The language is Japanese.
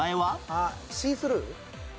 あっシースルー。